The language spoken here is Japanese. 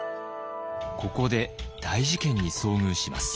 ここで大事件に遭遇します。